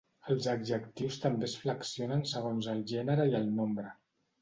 Els adjectius també es flexionen segons el gènere i el nombre.